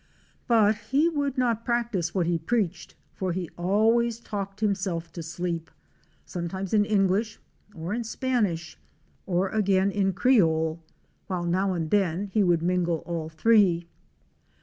But he would not practice what he preached for he always talked himself to sleep, sometimes in English, or in Spanish or again in Creole, while now and then he would mingle all three.